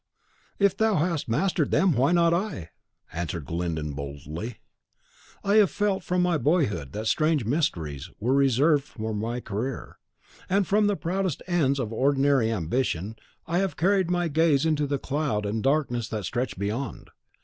"If thou hast mastered them, why not I?" answered Glyndon, boldly. "I have felt from my boyhood that strange mysteries were reserved for my career; and from the proudest ends of ordinary ambition I have carried my gaze into the cloud and darkness that stretch beyond.